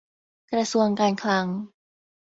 กระทรวงการคลัง